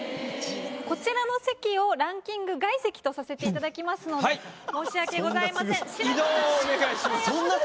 こちらの席をランキング外席とさせていただきますので申し訳ございません。